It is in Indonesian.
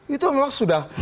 itu memang sudah